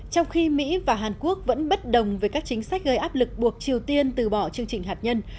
trong khi mỹ và hàn quốc vẫn bất đồng về các chính sách gây áp lực buộc triều tiên từ bỏ chương trình hạt nhân